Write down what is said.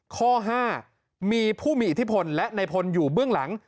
ข้อ๕มีผู้มีอิทธิพลและในพลอยู่เบื้องหลัง